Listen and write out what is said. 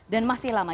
dan masih lama